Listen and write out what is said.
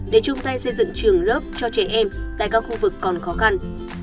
để chung tay xây dựng trường lớp cho trẻ em tại các khu vực còn khó khăn